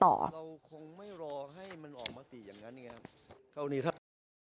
เราคงไม่รอให้มันออกมาติอย่างนั้นไงครับ